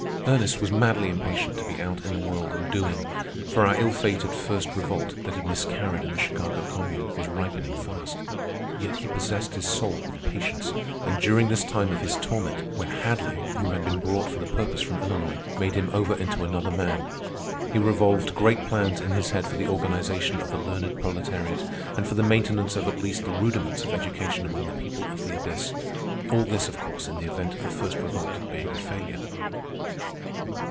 Ernest was madly impatient to be out in the world and doing, for our ill fated First Revolt, that had miscarried in the Chicago Commune, was ripening fast. Yet he possessed his soul with patience, and during this time of his torment, when Hadly, who had been brought for the purpose from Illinois, made him over into another man he revolved great plans in his head for the organization of the learned proletariat, and for the maintenance of at least the rudiments of education amongst the people of the abyss—all this of course in the event of the First Revolt being a failure.